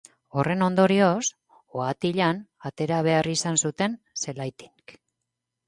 Horren ondorioz, ohatilan atera behar izan zuten zelaitik.